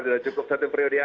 sudah cukup satu priodi aja